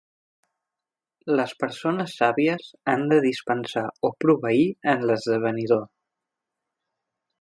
Les persones sàvies han de dispensar o proveir en l'esdevenidor.